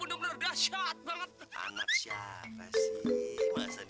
ini bota atau tenan